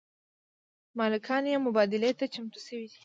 مالکان یې مبادلې ته چمتو شوي دي.